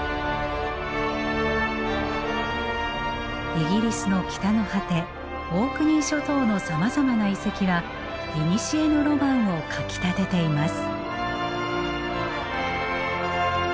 イギリスの北の果てオークニー諸島のさまざまな遺跡はいにしえのロマンをかきたてています。